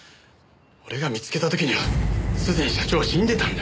俺が見つけた時にはすでに社長は死んでたんだ。